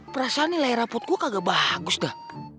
perasaan nilai rapot gue kagak bagus dah